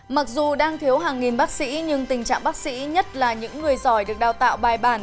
mặc dù đang thiếu hàng nghìn bác sĩ nhưng tình trạng bác sĩ nhất là những người giỏi được đào tạo bài bản